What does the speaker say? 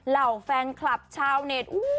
เหล่าแฟนคลับเช้าเนท